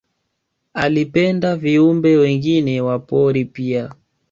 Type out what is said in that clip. Alipenda viumbe wengine wa pori pia